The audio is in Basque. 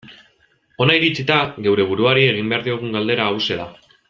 Hona iritsita, geure buruari egin behar diogun galdera hauxe da.